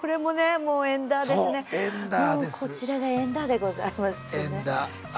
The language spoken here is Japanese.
もうこちらがエンダーでございますよね。